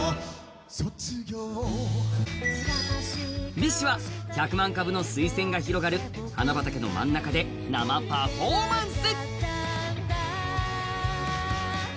ＢｉＳＨは１００万株のすいせんの広がる花畑の中で生パフォーマンス。